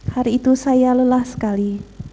hari itu saya lelah sekali